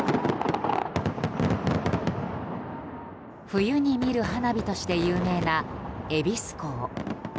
冬に見る花火として有名なえびす講。